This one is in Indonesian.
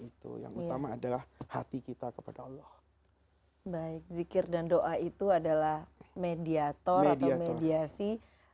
itu yang utama adalah hati kita kepada allah baik zikir dan doa itu adalah mediator atau mediasi